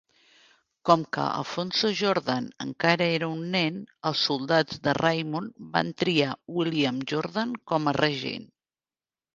Com que Alfonso-Jordan encara era un nen, els soldats de Raymond van triar William-Jordan com a regent.